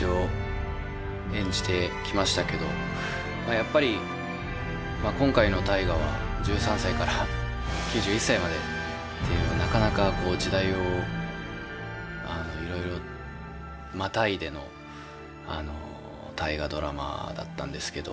やっぱり今回の「大河」は１３歳から９１歳までというなかなか時代をいろいろまたいでの「大河ドラマ」だったんですけど